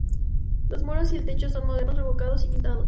Los muros y el techo son modernos, revocados y pintados.